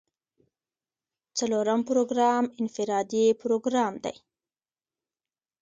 څلورم پروګرام انفرادي پروګرام دی.